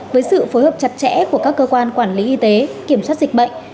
với sự phối hợp chặt chẽ của các cơ quan quản lý y tế kiểm soát dịch bệnh